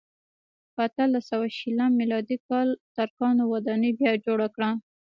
په اتلس سوه شلم میلادي کال ترکانو ودانۍ بیا جوړه کړه.